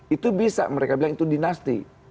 itu bisa mereka bilang itu dinasti